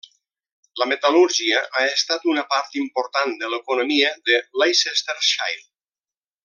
La metal·lúrgia ha estat una part important de l'economia de Leicestershire.